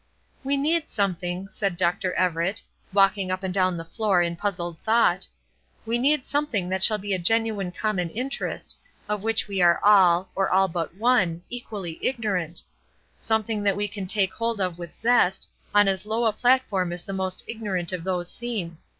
"We need something," said Dr. Everett, walking up and down the floor in puzzled thought, "we need something that shall be a genuine common interest, of which we are all, or all but one, equally ignorant something that we can take hold of with zest, on as low a platform as the most ignorant of those seen.